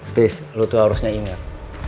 please lo tuh harusnya inget